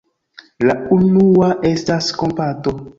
La unua estas kompato.